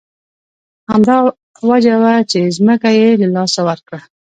همدا وجه وه چې ځمکه یې له لاسه ورکړه.